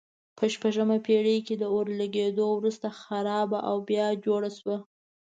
په شپږمه پېړۍ کې د اور لګېدو وروسته خرابه او بیا جوړه شوه.